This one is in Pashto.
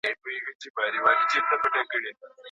د خلکو ګډون يې مهم ګاڼه.